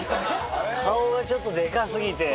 顔がちょっとデカ過ぎて。